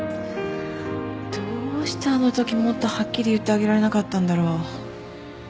どうしてあのときもっとはっきり言ってあげられなかったんだろう。